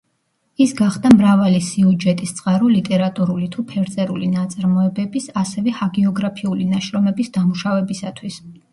ის გახდა მრავალი სიუჯეტის წყარო ლიტერატურული თუ ფერწერული ნაწარმოებების, ასევე ჰაგიოგრაფიული ნაშრომების დამუშავებისათვის.